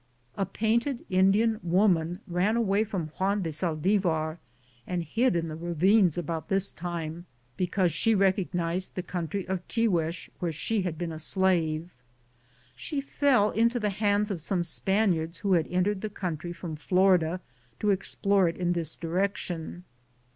A painted Indian woman ran away from Juan de Saldibar and hid in the ravines about .this time, because she recognized the country of Tiguex where she had been a slave. She fell into the hands of some Spaniards who had entered the country from Florida to explore it in tins direction.